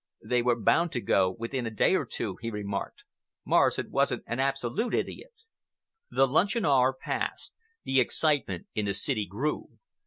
"They were bound to go within a day or two," he remarked. "Morrison wasn't an absolute idiot." The luncheon hour passed. The excitement in the city grew.